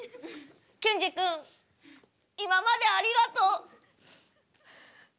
ケンジ君今までありがとう。